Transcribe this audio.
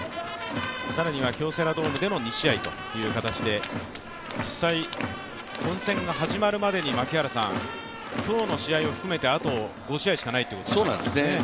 更には京セラドームでの２試合という形で、実際、本戦が始まるまでに槙原さん今日の試合を含めてあと５試合しかないということなんですね。